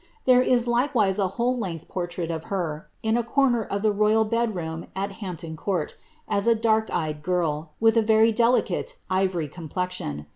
There is likewise a whole length portrait of her, in a corner of the royal bed room at Hampton Court, as a dark eyed girl, with a very delicate ivory complexion.